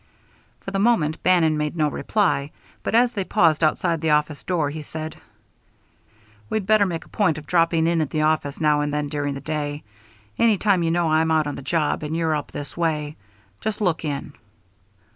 For the moment Bannon made no reply, but as they paused outside the office door he said: "We'd better make a point of dropping in at the office now and then during the day. Any time you know I'm out on the job and you're up this way, just look in."